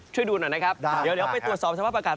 ช่วยดูหน่อยนะครับเดี๋ยวไปตรวจสอบสภาพอากาศ